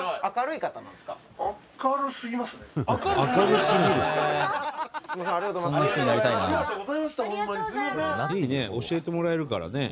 いいね教えてもらえるからね。